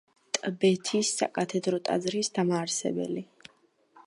ტბეთის საკათედრო ტაძრის დამაარსებელი.